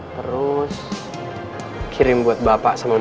teruses kirim buat bapak sama makanan